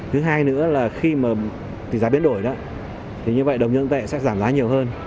thứ hai nữa là khi mà tỷ giá biến đổi đó thì như vậy đồng nhân tệ sẽ giảm giá nhiều hơn